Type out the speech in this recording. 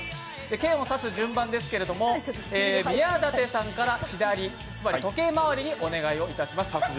剣を刺す順番ですけれども宮舘さんから左つまり時計回りでお願いします。